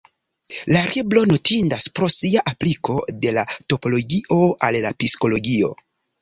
La libro notindas pro sia apliko de la topologio al la psikologio.